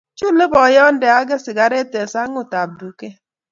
chule boyonde age sikaret eng' sang'utab duket